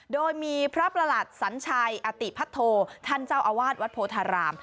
โดยมีพระประหลัดสัญชัยอติพัทโทท่านเจ้าอาวาสวัดโพธาราม